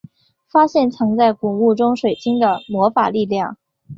发现藏在古墓中水晶的魔法力量。